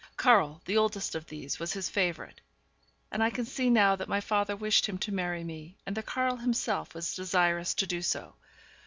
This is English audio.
Karl, the oldest of these, was his favourite; and I can see now that my father wished him to marry me, and that Karl himself was desirous to do so.